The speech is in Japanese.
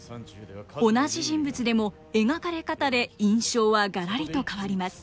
同じ人物でも描かれ方で印象はがらりと変わります。